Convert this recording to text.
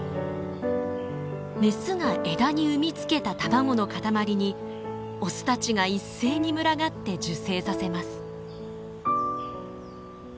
メスが枝に産みつけた卵の塊にオスたちが一斉に群がって受精させます。